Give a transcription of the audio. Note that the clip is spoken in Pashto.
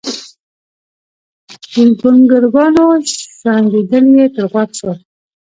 د ګونګرونګانو شړنګېدل يې تر غوږ شول